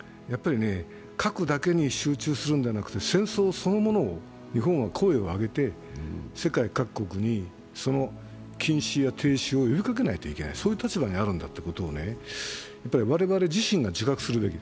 核だけに集中するのではなく戦争そのものを日本は声を上げて世界各国にその禁止や停止を呼びかけないといけない、そういう立場にあるんだってことを我々自身が自覚するべき。